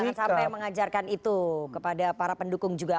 jangan sampai mengajarkan itu kepada para pendukung juga